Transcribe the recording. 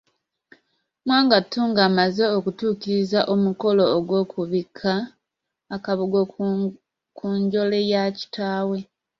Mwanga II ng'amaze okutuukiriza omukolo ogw'okubikka akabugo ku njole ya kitaawe.